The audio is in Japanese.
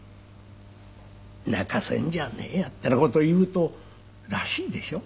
「泣かせんじゃねえや」ってな事を言うとらいしでしょ？